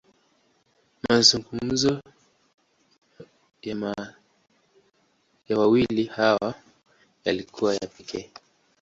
Mazungumzo ya wawili hawa, yalikuwa ya kipekee.